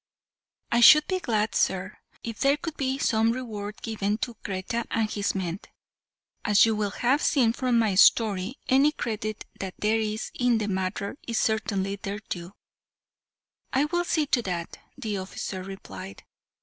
"I should be glad, sir, if there could be some reward given to Kreta and his men; as you will have seen from my story, any credit that there is in the matter is certainly their due." "I will see to that," the officer replied.